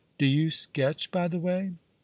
Po you sketch, by the way ?